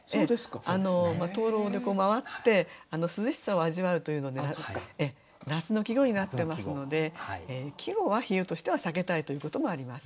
灯籠で回って涼しさを味わうというので夏の季語になってますので季語は比喩としては避けたいということもあります。